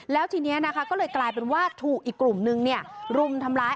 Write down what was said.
แล้วทีนี้นะคะก็เลยกลายเป็นว่าถูกอีกกลุ่มนึงรุมทำร้าย